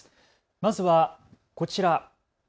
まずはこちら。